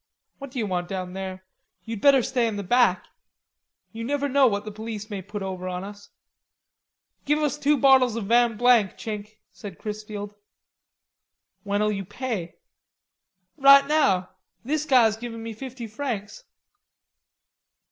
"What do you want down here? You'd better stay in the back. You never know what the police may put over on us." "Give us two bottles of vin blank, Chink," said Chrisfield. "When'll you pay?" "Right now. This guy's given me fifty francs."